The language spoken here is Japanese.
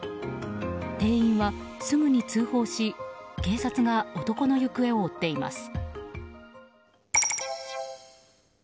店員はすぐに通報し警察が男の行方を追っています。